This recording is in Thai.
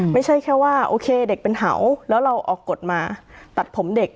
ไม่ใช่แค่ว่าโอเคเด็กเป็นเห่าแล้วเราออกกฎมาตัดผมเด็ก